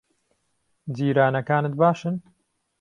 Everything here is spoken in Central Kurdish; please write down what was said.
جیرانەکانت باشن؟